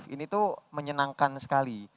ini tuh menyenangkan sekali